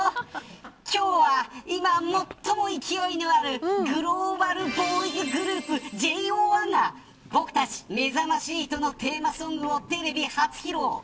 今日は今、最も勢いのあるグローバルボーイズグループＪＯ１が僕たちめざまし８のテーマソングをテレビ初披露。